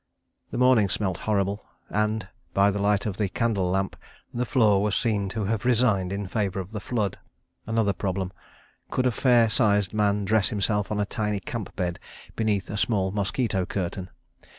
The morning smelt horrible, and, by the light of the candle lamp, the floor was seen to have resigned in favour of the flood. Another problem: Could a fair sized man dress himself on a tiny camp bed beneath a small mosquito curtain?